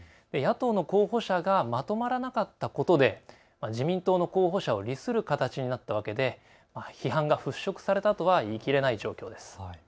野党の候補者がまとまらなかったことで自民党の候補者を利する形になったわけで批判が払拭されたとは言い切れない状況です。